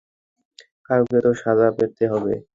কাউকে তো সাজা পেতে হবে।